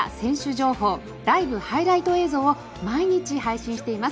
情報ライブ・ハイライト映像を毎日配信しています。